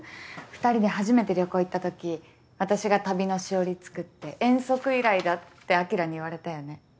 ２人で初めて旅行行ったとき私が旅のしおり作って遠足以来だって晶に言われたよね。